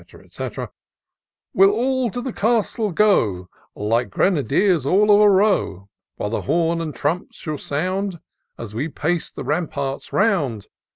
&c. We'll all to the castle go, Like grenadiers all of a row. While the horn and trump shall sound As we pace the ramparts round.